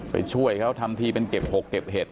ช่วยเขาทำทีเป็นเก็บหกเก็บเห็ด